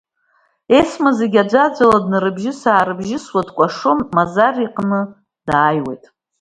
Есма зегьы аӡәаӡәала днарыбжьыс-аарыбжьысуа дшыкәашо Мазар иҟны дааиуеит.